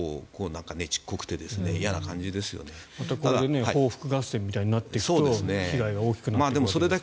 またこうやって報復合戦みたいになっていくと被害は大きくなっていく。